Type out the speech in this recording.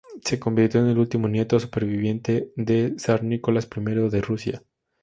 Se convirtió en el último nieto superviviente del zar Nicolás I de Rusia.